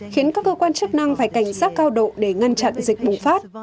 khiến các cơ quan chức năng phải cảnh giác cao độ để ngăn chặn dịch bùng phát